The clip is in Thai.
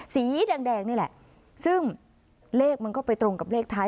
สีแดงแดงนี่แหละซึ่งเลขมันก็ไปตรงกับเลขท้าย